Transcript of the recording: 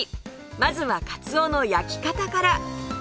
まずはカツオの焼き方から